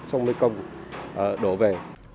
xong mới công đổ về